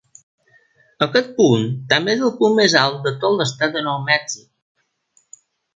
Aquest punt també és el punt més alt de tot l'estat de Nou Mèxic.